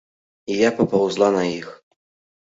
І я папаўзла на іх.